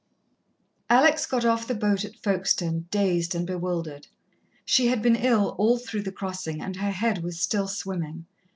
Alex got off the boat at Folkestone, dazed and bewildered. She had been ill all through the crossing, and her head was still swimming.